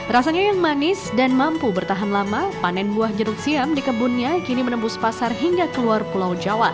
rasanya yang manis dan mampu bertahan lama panen buah jeruk siam di kebunnya kini menembus pasar hingga keluar pulau jawa